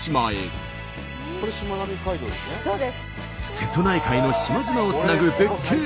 瀬戸内海の島々をつなぐ絶景